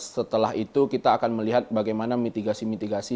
setelah itu kita akan melihat bagaimana mitigasi mitigasi